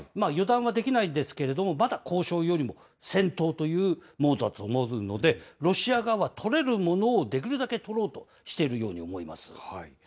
予断はできないんですけれども、まだ交渉よりも戦闘というモードだと思うので、ロシア側は取れるものをできるだけ取ろうとしているように思います。